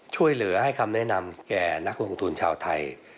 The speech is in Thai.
ช่วยเหลือให้คำแนะนำแก่นักลงทุนชาวไทย